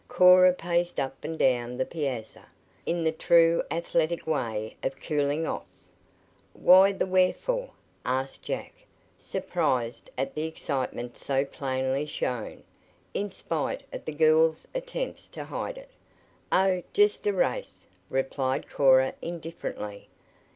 Cora paced up and down the piazza, in the true athletic way of cooling off. "Why the wherefore?" asked Jack, surprised at the excitement so plainly shown, in spite of the girls' attempts to hide it. "Oh, just a race," replied Cora indifferently.